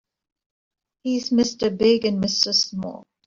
He's Mr. Big and Mr. Small.